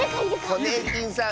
ホネーキンさん